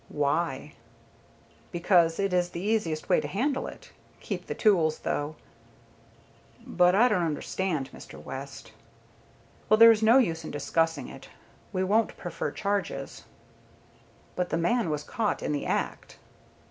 "Why?" "Because it is the easiest way to handle it. Keep the tools, though." "But I don't understand, Mr. West." "Well, there is no use in discussing it. We won't prefer charges." "But the man was caught in the act."